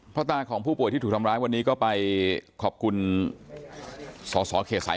เพราะผู้ดังหูต่อยใช่ไหมสีคนกี่คนที่เขามาคนเดียว